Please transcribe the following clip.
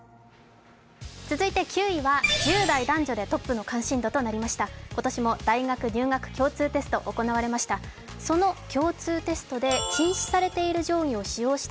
９位は１０代男女でトップの関心度となりました。